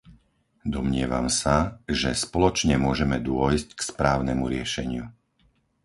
Domnievam sa, že spoločne môžeme dôjsť k správnemu riešeniu.